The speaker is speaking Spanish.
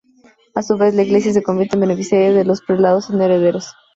A su vez, la Iglesia se convertía en beneficiaria de los prelados sin herederos.